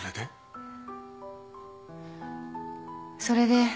それで？